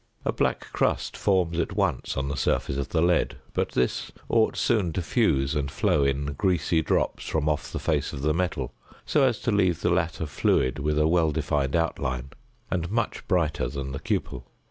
A black crust forms at once on the surface of the lead; but this ought soon to fuse and flow in greasy drops from off the face of the metal, so as to leave the latter fluid with a well defined outline, and much brighter than the cupel.